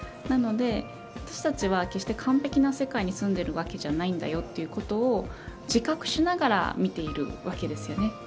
なので、私たちは決して完璧な世界に住んでいるわけじゃないということを自覚しながら見ているわけですよね。